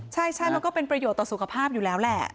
ใช่มันก็เป็นประโยชน์ต่อสุขภาพอยู่แล้วแหละ